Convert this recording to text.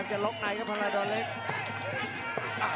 ครั้งที่สองเลยครับครั้งที่สองเลยครับ